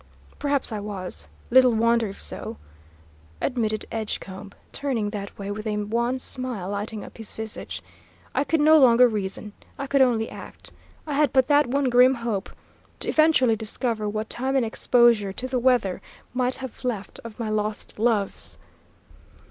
"Perhaps I was; little wonder if so," admitted Edgecombe, turning that way, with a wan smile lighting up his visage. "I could no longer reason. I could only act. I had but that one grim hope, to eventually discover what time and exposure to the weather might have left of my lost loves.